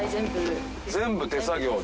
全部手作業で。